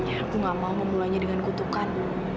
aku gak mau memulainya dengan kutukan